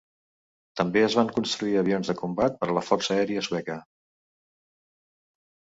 També es van construir avions de combat per a la força aèria sueca.